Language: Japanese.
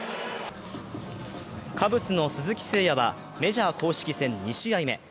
カブスの鈴木誠也は、メジャー公式戦２試合目。